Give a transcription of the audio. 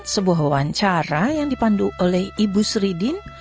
sebuah wawancara yang dipandu oleh ibu sridin